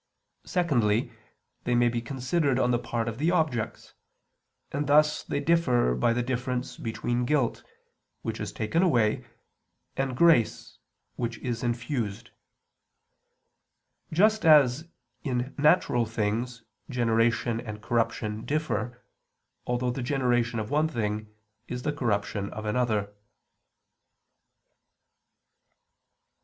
Secondly, they may be considered on the part of the objects; and thus they differ by the difference between guilt, which is taken away, and grace, which is infused; just as in natural things generation and corruption differ, although the generation of one thing is the corruption of another.